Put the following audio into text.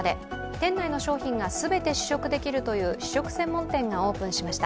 店内の商品が全て試食できるという試食できるというオープンしました。